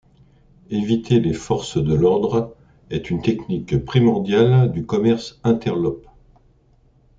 Éviter les forces de l'ordre est une technique primordiale du commerce interlope.